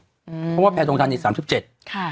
เพราะว่าแพทองทานีสามสิบเจ็ดค่ะ